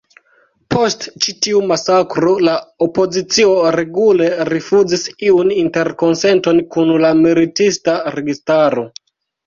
Post ĉi tiu masakro la opozicio regule rifuzis iun interkonsenton kun la militista registaro.